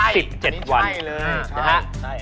อันนี้ใช่